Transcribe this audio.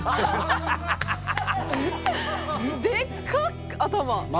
でっか頭。